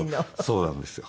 そうなんですよ。